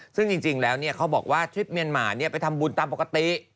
ซึ่งจริงแล้วเขาบอกว่าทริปเมียนมาไปทำบุญตามปกติ